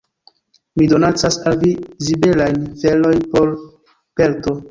Mi donacas al vi zibelajn felojn por pelto!